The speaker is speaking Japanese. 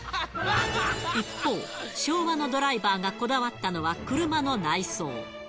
一方、昭和のドライバーがこだわったのは、車の内装。